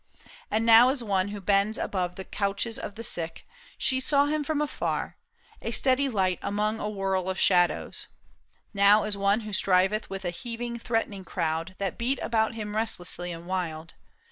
And now as one Who bends above the couches of the sick, She saw him from afar, a steady light Among a whirl of shadows ; now as one Who striveth with a heaving, threatening crowd That beat about him restlessly and wild.